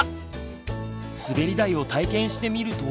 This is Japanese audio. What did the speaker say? すべり台を体験してみると。